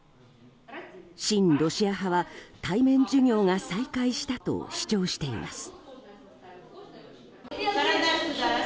親ロシア派は対面授業が再開したと主張しています。